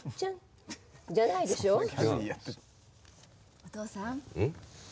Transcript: お父さん。